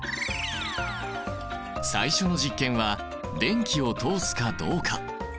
最初の実験は電気を通すかどうか。